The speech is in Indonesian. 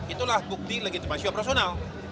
itulah bukti legitimasi personal